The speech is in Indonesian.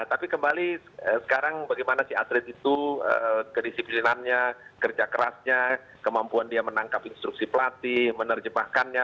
tapi kembali sekarang bagaimana si atlet itu kedisiplinannya kerja kerasnya kemampuan dia menangkap instruksi pelatih menerjemahkannya